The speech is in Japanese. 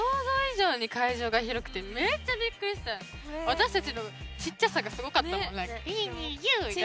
私たちのちっちゃさがすごかったもん何か。